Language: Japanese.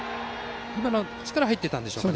今のは力が入っていたんでしょうか。